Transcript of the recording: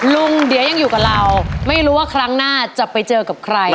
ลุงเดี๋ยวยังอยู่กับเราไม่รู้ว่าครั้งหน้าจะไปเจอกับใคร